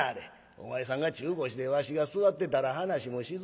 お前さんが中腰でわしが座ってたら話もしづらいで。